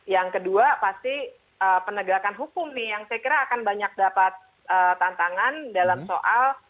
yang kedua pasti penegakan hukum nih yang saya kira akan banyak dapat tantangan dalam soal